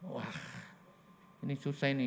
wah ini susah ini